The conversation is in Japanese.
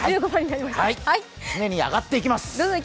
常に上がっていきます。